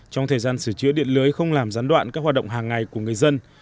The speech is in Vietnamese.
trong thời gian sửa chữa điện lưới không làm gián đoạn các hoạt động hàng ngày của người dân